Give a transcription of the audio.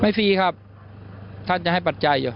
ไม่ฟรีครับท่านจะให้ปัจจัย